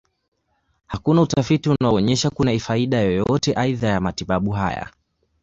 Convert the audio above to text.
Hakuna utafiti unaonyesha kuna faida yoyote aidha ya matibabu haya.